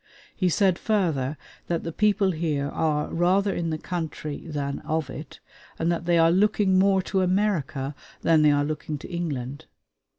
He said further that the people here are rather in the country than of it, and that they are looking more to America than they are looking to England.